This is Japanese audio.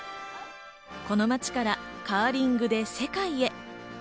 この街からカーリングで世界へ。